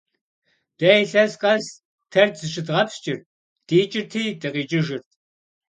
Дэ илъэс къэс Тэрч зыщыдгъэпскӀырт, дикӀырти дыкъикӀыжырт.